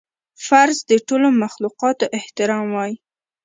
فرض د ټولو مخلوقاتو احترام وای